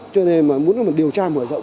cho nên muốn điều tra mở rộng